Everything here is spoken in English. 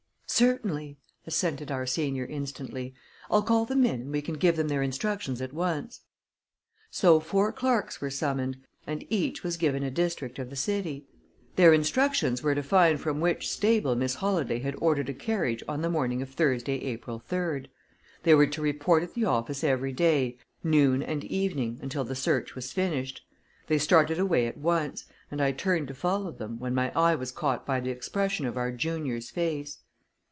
"Certainly," assented our senior instantly. "I'll call them in, and we can give them their instructions at once." So four clerks were summoned, and each was given a district of the city. Their instructions were to find from which stable Miss Holladay had ordered a carriage on the morning of Thursday, April 3d. They were to report at the office every day, noon and evening, until the search was finished. They started away at once, and I turned to follow them, when my eye was caught by the expression of our junior's face.